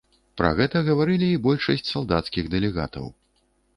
Пра гэта гаварылі і большасць салдацкіх дэлегатаў.